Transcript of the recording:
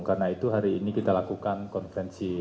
karena itu hari ini kita lakukan konferensi